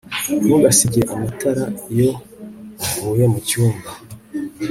ntugasige amatara iyo uvuye mucyumba